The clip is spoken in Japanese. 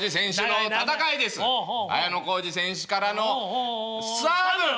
綾小路選手からのサーブ！